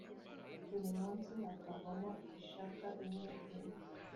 buri munsi hakavamo ishaka rimwe rimwe,